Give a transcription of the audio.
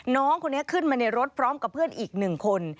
น้องคนนี้ขึ้นมาในรถพร้อมกับเพื่อนอีกหนึ่งคน